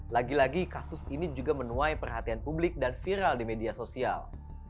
lagi lagi kasus ini juga menuai perhatian publik dan viral di media sosial